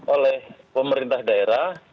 oleh pemerintah daerah